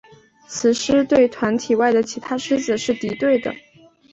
雌狮对团体外的其他狮子是敌对的。